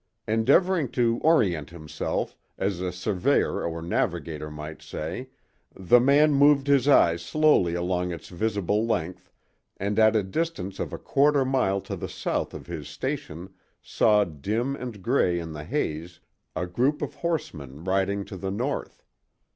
Endeavoring to orient himself, as a surveyor or navigator might say, the man moved his eyes slowly along its visible length and at a distance of a quarter mile to the south of his station saw, dim and gray in the haze, a group of horsemen riding to the north.